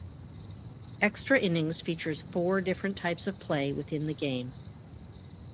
Extra Innings features four different types of play within the game.